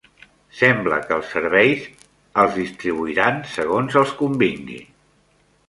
Sembla que els serveis els distribuiran segons els convingui.